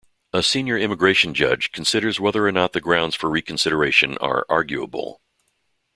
A Senior Immigration Judge considers whether or not the grounds for reconsideration are "arguable".